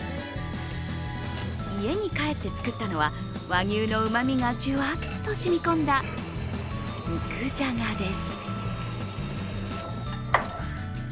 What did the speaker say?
家に帰って作ったのは、和牛のうまみがじゅわっと染み込んだ肉じゃがです。